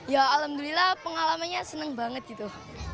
ya alhamdulillah pengalamannya senang banget gitu